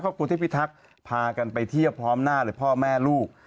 ครูเทพิทักษ์พากันไปเที่ยวพร้อมหน้าเลยพ่อแม่ลูก